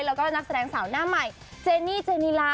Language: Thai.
แล้วก็นักแสดงสาวหน้าใหม่เจนี่เจนิลา